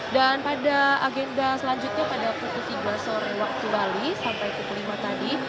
dan pada agenda selanjutnya pada pukul tiga sore waktu bali sampai pukul lima tadi